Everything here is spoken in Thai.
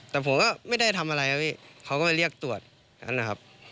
แต่ผมก็ไม่ได้ทำอะไรครับพี่เขาก็ไปเรียกตรวจนั้นนะครับ